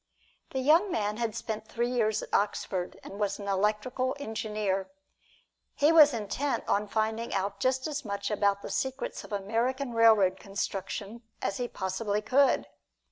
The young man had spent three years at Oxford, and was an electrical engineer. He was intent on finding out just as much about the secrets of American railroad construction as he possibly could.